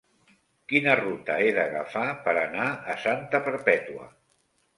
Quina ruta he d'agafar per anar a Santa Perpètua?